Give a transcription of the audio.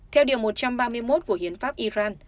theo điều một trăm ba mươi một của hiến pháp iran